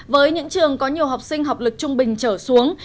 với những trường có nhiều học sinh học lực trung bình trở xuống